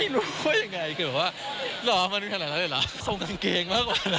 ส่งกางเกงมากกว่าแล้ว